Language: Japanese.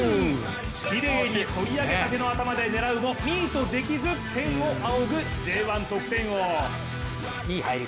きれいにそり上げたての頭で狙うもミートできず、天を仰ぐＪ１得点王。